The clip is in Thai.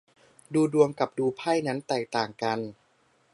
ดูดวงกับดูไพ่นั้นแตกต่างกัน